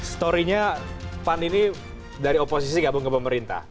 story nya pan ini dari oposisi gabung ke pemerintah